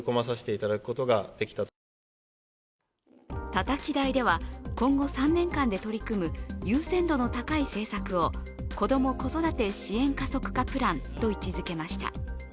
たたき台では今後３年間で取り組む優先度の高い政策を子ども・子育て支援加速化プランと位置づけました。